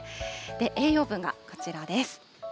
栄養分がこちらです。